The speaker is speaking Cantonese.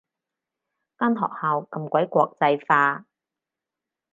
間學校咁鬼國際化